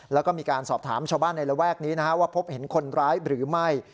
แล้วก็มีการสอบถามชาวบ้านในระแวกนี้ว่าพบเห็นคนร้ายหรือไม่